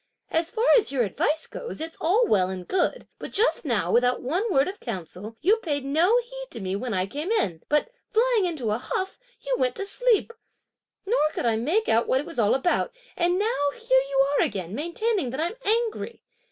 As far as your advice goes, it's all well and good; but just now without one word of counsel, you paid no heed to me when I came in, but, flying into a huff, you went to sleep. Nor could I make out what it was all about, and now here you are again maintaining that I'm angry.